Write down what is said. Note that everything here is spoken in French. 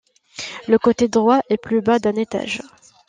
Le côté droit est plus bas d'un étage.